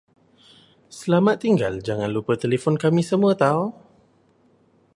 Selamat tinggal jangan lupa telefon kami semua tahu